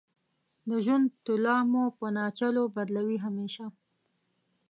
د ژوند طلا مو په ناچلو بدلوې همیشه